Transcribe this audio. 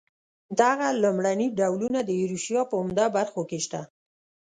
دغه لومړني ډولونه د ایروشیا په عمده برخو کې شته.